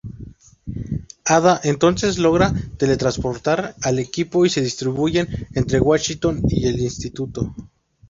Hada entonces logra teletransportar al equipo y se distribuyen entre Washington y el Instituto.